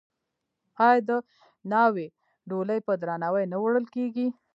آیا د ناوې ډولۍ په درناوي نه وړل کیږي؟